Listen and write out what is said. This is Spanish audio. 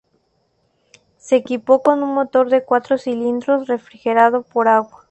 Se equipó con un motor de cuatro cilindros refrigerado por agua.